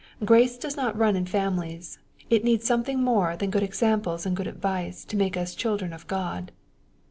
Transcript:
Grace does not run in families. It needs something more than good examples and good advice to make us children of God.